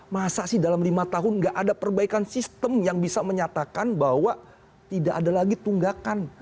masa sih dalam lima tahun nggak ada perbaikan sistem yang bisa menyatakan bahwa tidak ada lagi tunggakan